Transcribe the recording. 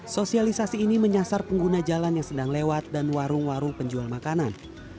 sosialisasi ini menyasar pengguna jalan yang sedang lewat dan warung warung penjual makanan